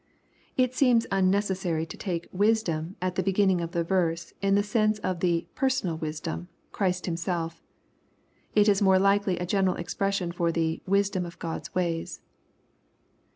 It seems unnecessary to take " wisdom," at the beginning of the verse, in the sense of tiie Personal Wisdom, Christ Himself. It is more likely a general expression for the " wisdom of God's ways."